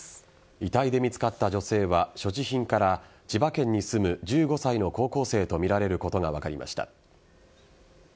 遺体で見つかった女性は所持品から千葉県に住む１５歳の高校生とみられることが分かりました。